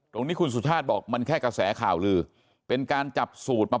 ตรงนี้คุณสุชาติบอกมันแค่กระแสข่าวลือเป็นการจับสูตรมา